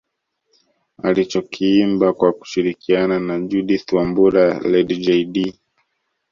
Alichokiimba kwa kushirikiana na Judith Wambura Lady Jaydee